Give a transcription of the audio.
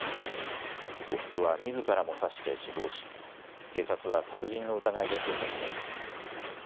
夫はみずからも刺して死亡し警察は殺人の疑いで捜査しています。